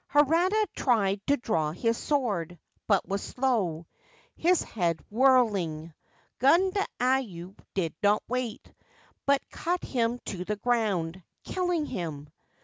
Harada tried to draw his sword, but was slow, his head whirling. Gundayu did not wait, but cut him to the ground, killing him.